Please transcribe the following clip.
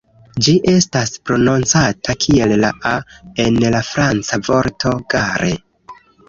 Ĝi estas prononcata kiel la "a" en la franca vorto "gare".